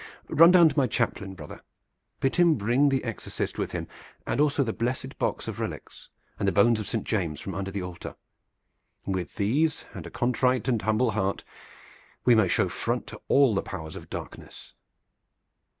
Run down to my chaplain, brother! Bid him bring the exorcist with him, and also the blessed box of relics, and the bones of Saint James from under the altar! With these and a contrite and humble heart we may show front to all the powers of darkness."